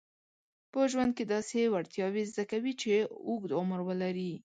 په ژوند کې داسې وړتیاوې زده کوي چې اوږد عمر ولري.